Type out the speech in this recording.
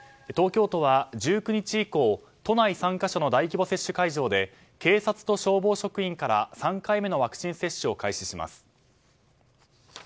東京都は１９日以降都内３か所の大規模接種会場で警察と消防職員から３回目のワクチン接種を開始します。